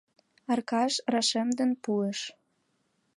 — Аркаш рашемден пуыш.